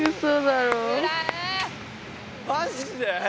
マジで？